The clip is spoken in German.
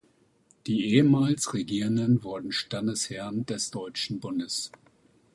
Die ehemals Regierenden wurden Standesherren des Deutschen Bundes.